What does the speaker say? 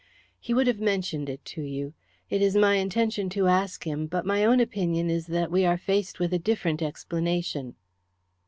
"He would have mentioned it to you. It is my intention to ask him, but my own opinion is that we are faced with a different explanation."